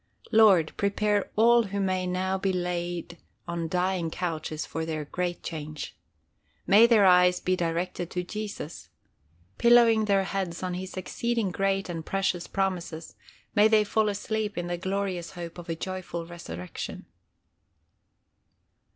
Lord, prepare all who may now be laid on dying couches for their great change. May their eyes be directed to Jesus. Pillowing their heads on his exceeding great and precious promises, may they fall asleep in the glorious hope of a joyful resurrection.